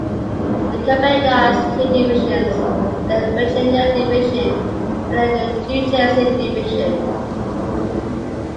The company now has two divisions; the "Virginia Division", and the "New Jersey Division".